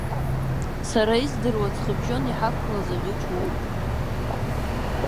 Сара издыруа аҵхыбжьон иҳақәлаз аӷьыч уоуп.